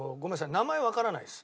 名前わからないです